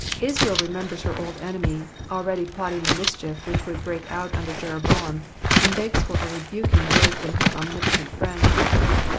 Israel remembers her old enemy, already plotting the mischief, which would break out under Jeroboam, and begs for a rebuking word from her Omnipotent Friend.